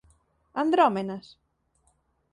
¿Andrómenas?